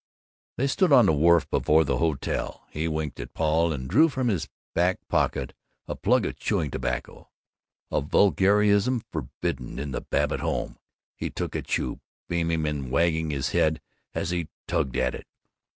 They stood on the wharf before the hotel. He winked at Paul and drew from his back pocket a plug of chewing tobacco, a vulgarism forbidden in the Babbitt home. He took a chew, beaming and wagging his head as he tugged at it.